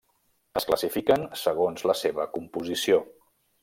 Es classifiquen, segons la seva composició.